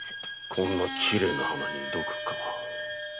こんなきれいな花に毒か。